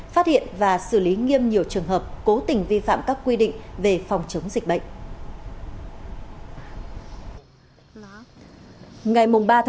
phát hiện và xử lý nghiêm nhiều trường hợp cố tình vi phạm các quy định về phòng chống dịch bệnh